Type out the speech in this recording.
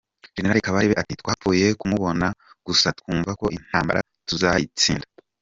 Gen Kabarebe ati “Twapfuye kumubona gusa twumva ko intambara tuzayitsinda.